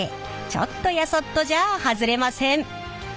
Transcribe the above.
ちょっとやそっとじゃあ外れません。